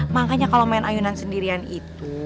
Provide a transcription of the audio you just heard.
makanya kalau main ayunan sendirian itu